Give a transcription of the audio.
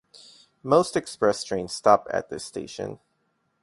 Most express trains stop at this station.